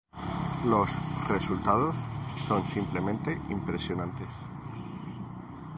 Los resultados son simplemente impresionantes.